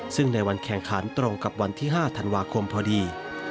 ซึ่งในวันแข่งขันตรงกับวันที่๕ธันวาคมพอดี